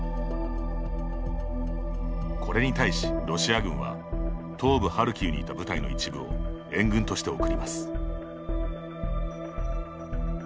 これに対しロシア軍は東部ハルキウにいた部隊の一部を援軍として送ります。